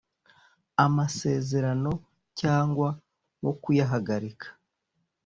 amasezerano cyangwa wo kuyahagarika